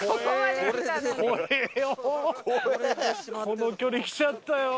この距離来ちゃったよ。